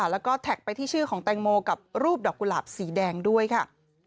แล้วก็แท็กไปที่ชื่อของแตงโมกับรูปดอกกุหลาบสีแดงด้วยค่ะ